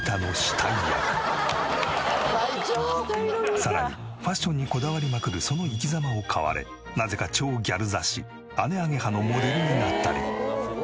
さらにファッションにこだわりまくるその生きざまを買われなぜか超ギャル雑誌『姉ａｇｅｈａ』のモデルになったり。